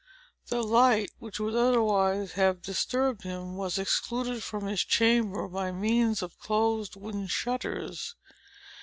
The light, which would otherwise have disturbed him, was excluded from his chamber by means of closed wooden shutters.